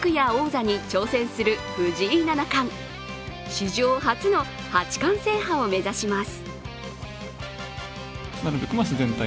史上初の八冠制覇を目指します。